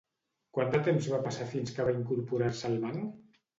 Quant de temps va passar fins que va incorporar-se al banc?